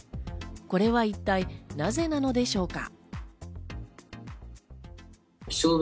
これは一体なぜなのでしょうか。